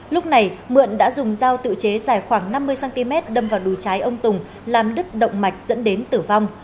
lúc này mượn đã dùng dao tự chế dài khoảng năm mươi cm đâm vào đùi trái ông tùng làm đứt động mạch dẫn đến tử vong